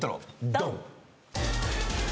ドン！